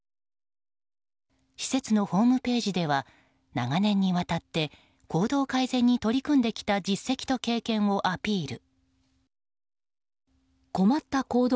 施設のホームページでは長年にわたって行動改善に取り組んできた実績と経験をアピール。